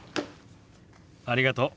ありがとう。